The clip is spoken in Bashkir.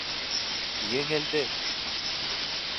Еңелдек.